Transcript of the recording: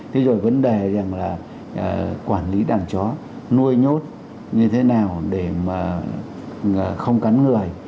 thế rồi vấn đề rằng là quản lý đàn chó nuôi nhốt như thế nào để mà không cắn người